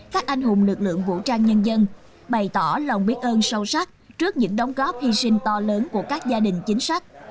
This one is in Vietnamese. các anh hùng lực lượng vũ trang nhân dân bày tỏ lòng biết ơn sâu sắc trước những đóng góp hy sinh to lớn của các gia đình chính sách